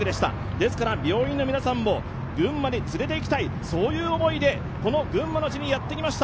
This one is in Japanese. ですから病院の皆さんも群馬に連れていきたい、そういう思いでこの群馬の地にやってきました。